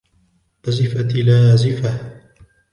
أَزِفَتِ الْآزِفَةُ